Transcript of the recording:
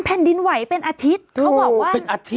แผ่นดินไหวเป็นอาทิตย์เขาบอกว่า